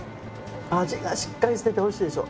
味がしっかりしてておいしいでしょ。